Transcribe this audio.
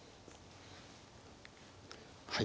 はい。